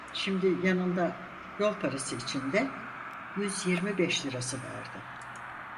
Şimdi yanında, yol parası içinde, yüz yirmi beş lirası vardı.